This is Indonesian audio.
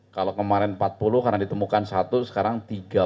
kalau kemarin empat puluh karena ditemukan satu sekarang tiga puluh